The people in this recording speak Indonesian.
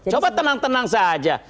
coba tenang tenang saja